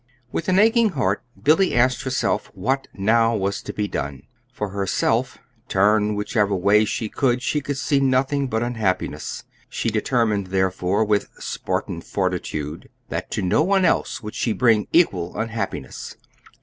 With an aching heart Billy asked herself what now was to be done. For herself, turn whichever way she could, she could see nothing but unhappiness. She determined, therefore, with Spartan fortitude, that to no one else would she bring equal unhappiness.